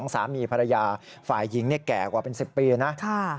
สามีภรรยาฝ่ายหญิงแก่กว่าเป็น๑๐ปีนะ